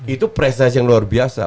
itu prestasi yang luar biasa